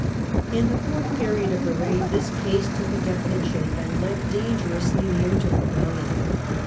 In the fourth period of the reign this case took a defi nite shape, and led dangerously near to rebellion.